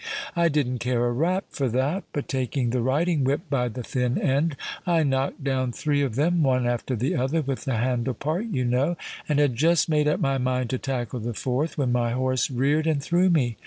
I didn't care a rap for that; but taking the riding whip by the thin end, I knocked down three of them—one after the other—with the handle part, you know, and had just made up my mind to tackle the fourth, when my horse reared and threw me.